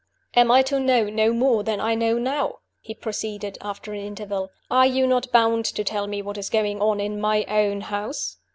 "Am I to know no more than I know now?" he proceeded, after an interval. "Are you not bound to tell me what is going on in my own house?"